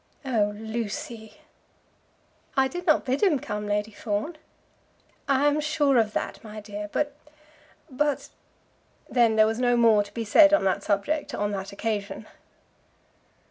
"Oh, Lucy!" "I did not bid him come, Lady Fawn." "I am sure of that, my dear; but but " Then there was no more to be said on that subject on that occasion.